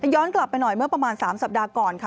ย้อนกลับไปหน่อยเมื่อประมาณ๓สัปดาห์ก่อนค่ะ